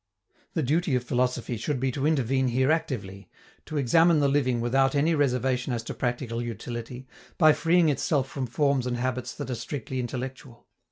The duty of philosophy should be to intervene here actively, to examine the living without any reservation as to practical utility, by freeing itself from forms and habits that are strictly intellectual.